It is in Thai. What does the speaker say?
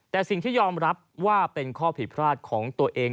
แต่สิ่งที่ยอมรับว่าเป็นข้อผิดพลาดของตัวเอง